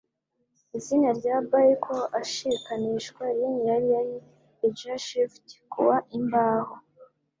Ni izina rya bicycle ashikanishwa Raleigh yari yari A Gearshift ku wa imbaho